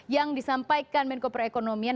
yang disampaikan menko proekonomian